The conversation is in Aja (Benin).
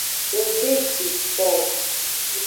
Ng de ji ko o.